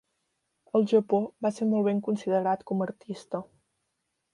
Al Japó va ser molt ben considerat com a artista.